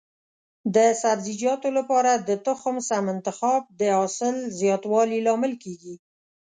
د سبزیجاتو لپاره د تخم سم انتخاب د حاصل زیاتوالي لامل کېږي.